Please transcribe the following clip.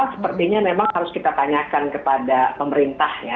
sepertinya memang harus kita tanyakan kepada pemerintah ya